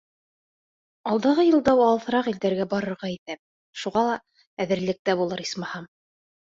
Алдағы йылда алыҫыраҡ илдәргә барырға иҫәп — шуға әҙерлек тә булыр, исмаһам.